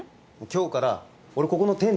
今日から俺ここの店長。